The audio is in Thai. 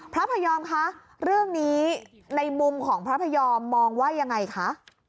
พระพยอมคะเรื่องนี้ในมุมของพระพยอมมองว่ายังไงคะ